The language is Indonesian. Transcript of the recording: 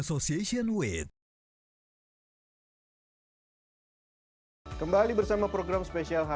oke terima kasih